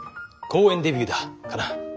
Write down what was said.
公園デビューだカナ。